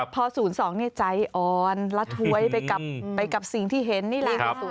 พอ๐๒ใจอ่อนละถวยไปกับสิ่งที่เห็นนี่แหละ